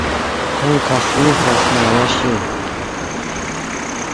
کھون٘ی کھہ خلنگ فوقس نہ ن٘یا شے اِن